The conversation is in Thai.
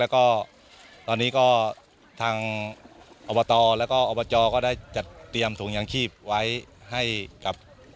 แล้วก็ตอนนี้ก็ทางอบตแล้วก็อบจก็ได้จัดเตรียมถุงยางชีพไว้ให้กับ